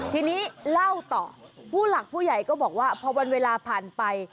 ทีนี้เล่าต่อผู้หลักผู้ใหญ่ก็บอกว่าพอวันเวลาผ่านไป